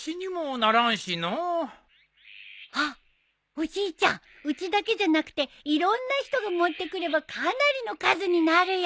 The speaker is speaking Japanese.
おじいちゃんうちだけじゃなくていろんな人が持ってくればかなりの数になるよ。